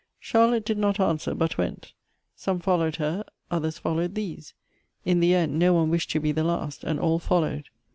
Charlotte did not answer, but went. Some followed her — others followed these : in the end, no one wished to be the last, and all followed.